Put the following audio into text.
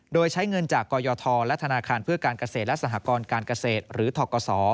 โดยใช้เงินจากกยธและธนาคารเพื่อการเกษตรและสหกรการเกษตรหรือทกศ